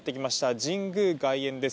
神宮外苑です。